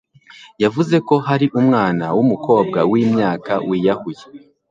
yavuze ko hari umwana w umukobwa w imyaka wiyahuye